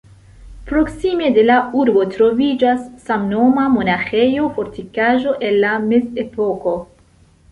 Proksime de la urbo troviĝas samnoma monaĥejo-fortikaĵo el la Mezepoko.